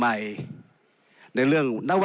ในฐานะรัฐสภาวนี้ตั้งแต่ปี๒๖๒